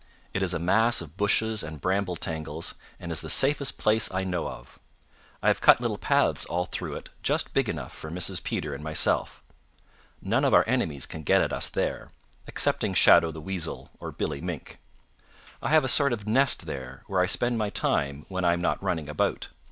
It is a mass of bushes and bramble tangles and is the safest place I know of. I have cut little paths all through it just big enough for Mrs. Peter and myself. None of our enemies can get at us there, excepting Shadow the Weasel or Billy Mink. I have a sort of nest there where I spend my time when I am not running about.